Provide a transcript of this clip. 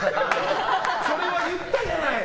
それは言ったじゃない！